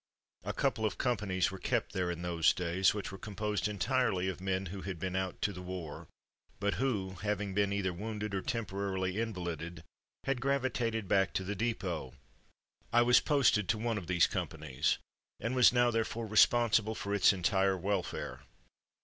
A couple of companies were kept there in those days, which were composed entirely of men who had been out to the war, but who, having been either wounded or temporarily invalided, had gravi tated back to the depot. . I was posted to one of these companies, and was now, therefore, responsible for its entire welfare.